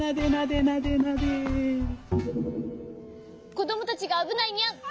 こどもたちがあぶないにゃん。